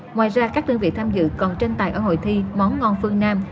ngoài ra các đơn vị tham dự còn tranh tài ở hội thi món ngon phương nam